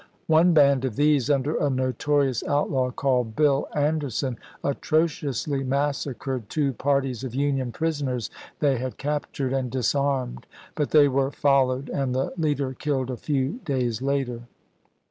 One band of these, under a notorious outlaw called Bill Anderson, atrociously massacred two parties of Union prisoners they had captured and dis armed ; but they were followed, and the leader Report ''•' Ibid., killed a few days later.